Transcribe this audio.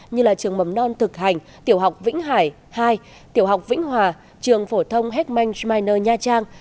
như là trường mầm non thực hành tiểu học vĩnh hải hai tiểu học vĩnh hòa trường phổ thông heckmanch minor nha trang